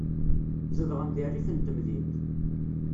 Zedɣen deg rrif n temdint.